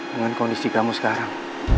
dengan kondisi kamu sekarang